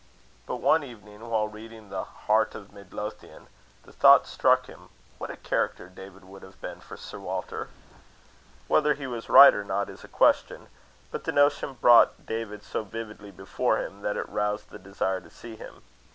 But one evening, while reading the Heart of Midlothian, the thought struck him what a character David would have been for Sir Walter. Whether he was right or not is a question; but the notion brought David so vividly before him, that it roused the desire to see him.